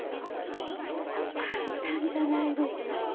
簡単じゃないですよ。